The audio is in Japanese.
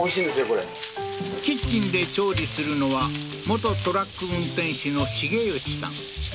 これキッチンで調理するのは元トラック運転手の重吉さん